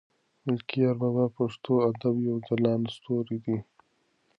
ملکیار بابا د پښتو ادب یو ځلاند ستوری دی.